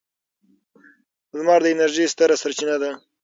لمر د انرژۍ ستره سرچینه ده.